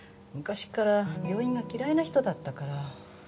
昔から病院が嫌いな人だったから。